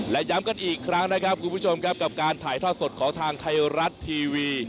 และย้ำกันอีกครั้งนะครับคุณผู้ชมครับกับการถ่ายทอดสดของทางไทยรัฐทีวี